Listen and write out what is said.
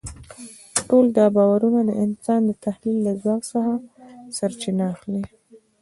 ټول دا باورونه د انسان د تخیل له ځواک څخه سرچینه اخلي.